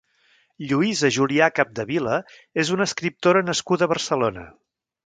Lluïsa Julià Capdevila és una escriptora nascuda a Barcelona.